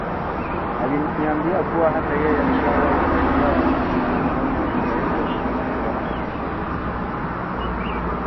Aliniambia kuwa hata yeye alishawahi kuchukuliwa na wanaume zaidi ya ishirini kwa muda tofauti tofauti